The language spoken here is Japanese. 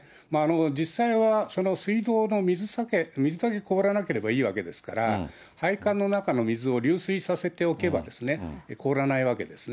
実際はその水道の水だけ凍らなければいいわけですから、配管の中の水を流水させておけば凍らないわけですね。